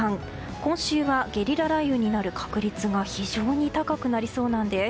今週はゲリラ雷雨になる確率が非常に高くなりそうなんです。